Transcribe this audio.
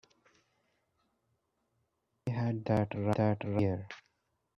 I had that right here.